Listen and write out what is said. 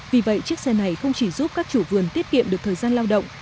vì vậy chiếc xe này không chỉ giúp các chủ vườn tiết kiệm được thời gian lao động